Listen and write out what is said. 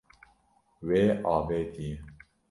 Wê avêtiye.